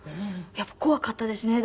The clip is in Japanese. やっぱり怖かったですね。